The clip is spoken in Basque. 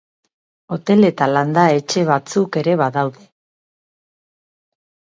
Hotel eta landa-etxe batzuk ere badaude.